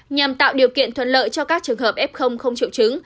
nhằm tạo điều kiện thuận lợi cho các trường hợp f không triệu chứng